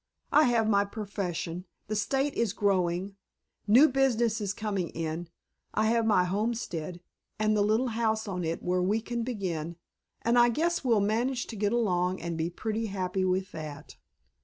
I have my profession, the State is growing, new business is coming in, I have my homestead and the little house on it where we can begin, and I guess we'll manage to get along and be pretty happy with that."